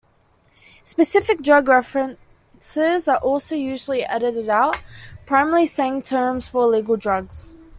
Specific drug references are also usually edited out, primarily slang terms for illegal drugs.